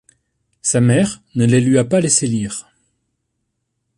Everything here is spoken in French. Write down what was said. Sa mère ne les lui a pas laissé lire.